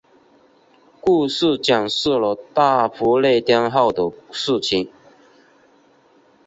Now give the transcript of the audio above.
故事讲述了大不列颠号的事情。